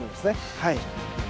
はい。